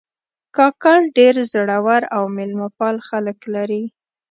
کاکړ ډېر زړور او میلمهپال خلک لري.